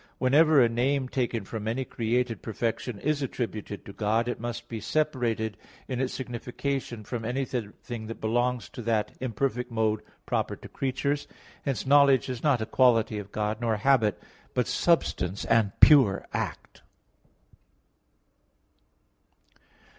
2), whenever a name taken from any created perfection is attributed to God, it must be separated in its signification from anything that belongs to that imperfect mode proper to creatures. Hence knowledge is not a quality of God, nor a habit; but substance and pure act.